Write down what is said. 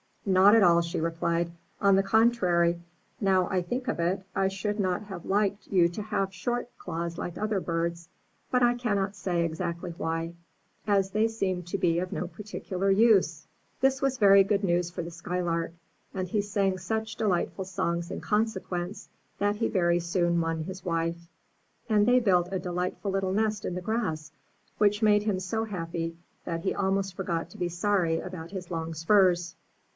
Not at all," she replied. *'0n the contrary, now I think of it, I should not have liked you to have short 364 UP ONE PAIR OF STAIRS claws like other birds; but I cannot exactly say why, as they seem to be of no use in particular/' This was very good news for the Skylark, and he sang such delightful songs in consequence, that he very soon won his wife; and they built a delightful little nest in the grass, which made him so happy, that he almost forgot to be sorry about his long spurs.